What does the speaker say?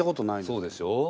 そうでしょう。